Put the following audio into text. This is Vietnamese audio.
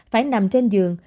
phải nằm trên giường